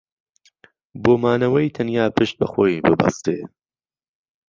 بۆ مانەوەی تەنیا پشت بە خۆی ببەستێ